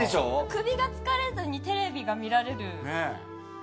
首が疲れずにテレビが見られる。